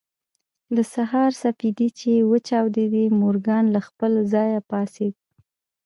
د سهار سپېدې چې وچاودېدې مورګان له خپل ځايه پاڅېد.